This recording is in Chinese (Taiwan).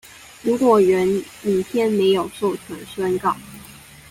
如果原影片沒有授權宣告